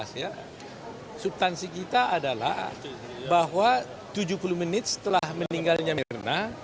subtansi kita adalah bahwa tujuh puluh menit setelah meninggalnya mirna